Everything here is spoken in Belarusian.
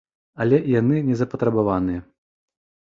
Але і яны не запатрабаваныя.